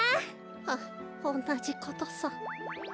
はっおんなじことさ。